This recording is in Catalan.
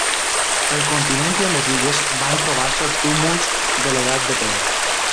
Al continent i a les illes van trobar-se túmuls de l'edat de pedra.